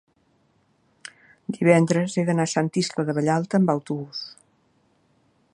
divendres he d'anar a Sant Iscle de Vallalta amb autobús.